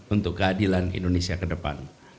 untuk keadilan indonesia ke depan